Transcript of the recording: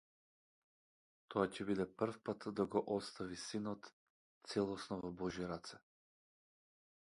Тоа ќе биде првпат да го остави синот целосно во божји раце.